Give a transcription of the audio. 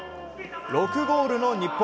６ゴールの日本。